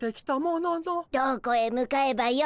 どこへ向かえばよいのやら。